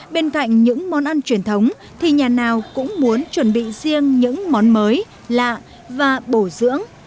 bên cạnh những món ăn truyền thống thì nhà nào cũng muốn chuẩn bị riêng những món mới lạ và bổ dưỡng